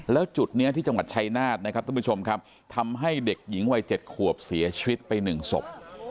และจุดนี้ที่จังหวัดใช้นาธนะครับทำให้เด็กหญิงวัย๗ครับเสียชีวิตไปหนึ่งศพ